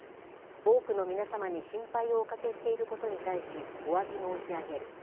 多くの皆様に心配をおかけしていることに対し、おわび申し上げる。